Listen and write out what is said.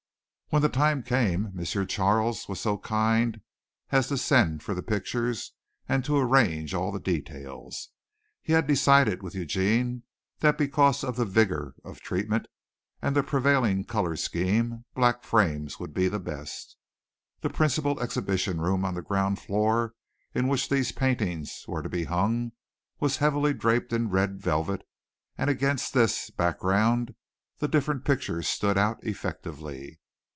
When the time came, M. Charles was so kind as to send for the pictures and to arrange all the details. He had decided with Eugene that because of the vigor of treatment and the prevailing color scheme black frames would be the best. The principal exhibition room on the ground floor in which these paintings were to be hung was heavily draped in red velvet and against this background the different pictures stood out effectively.